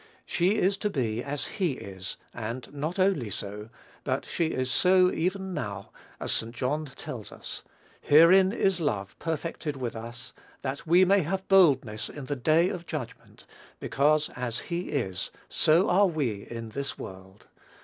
She is to be as he is, and not only so, but she is so even now, as St. John tells us, "Herein is love perfected with us, that we may have boldness in the day of judgment: because as he is, so are we in this world."